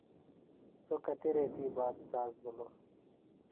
سوۡ کتیۡ ریتی باد ساز بِھلوۡ۔